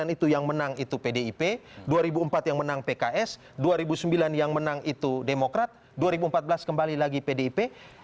itu yang menang itu pdip dua ribu empat yang menang pks dua ribu sembilan yang menang itu demokrat dua ribu empat belas kembali lagi pdip